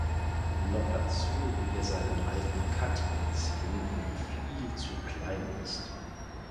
Noch dazu will er seinen alten Cut anziehen, der ihm viel zu klein ist.